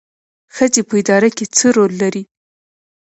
ښځې په اداره کې څه رول لري؟